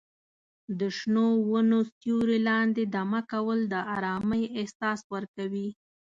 د شنو ونو سیوري لاندې دمه کول د ارامۍ احساس ورکوي.